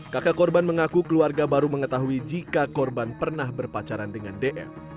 kakak korban mengaku keluarga baru mengetahui jika korban pernah berpacaran dengan df